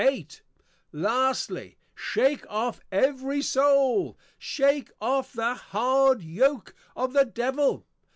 _ Lastly, Shake off, every Soul, shake off the hard Yoak of the Devil.